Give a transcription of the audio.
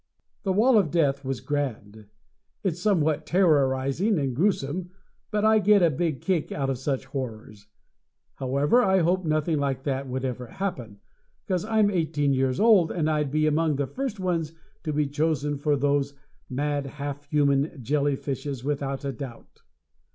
"The Wall of Death" was grand. It's somewhat terrorizing and gruesome, but I get a big "kick" out of such horrors. However, I hope nothing like that would ever happen, 'cause I'm 18 years old, and I'd be among the first ones to be chosen for those mad half human jelly fishes, without a doubt.